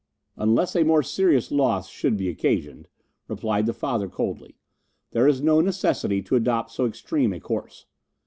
"'Unless a more serious loss should be occasioned,' replied the father coldly, 'there is no necessity to adopt so extreme a course.